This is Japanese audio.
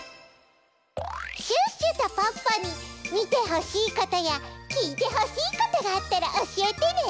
シュッシュとポッポにみてほしいことやきいてほしいことがあったらおしえてね！